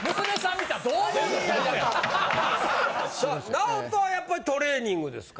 ＮＡＯＴＯはやっぱりトレーニングですか。